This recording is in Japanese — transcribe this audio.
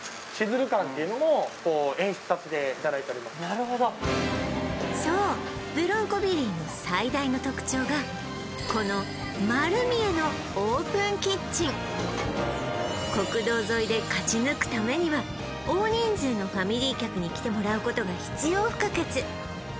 ・なるほどそうブロンコビリーの最大の特徴がこの丸見えの国道沿いで勝ち抜くためには大人数のファミリー客に来てもらうことが必要不可欠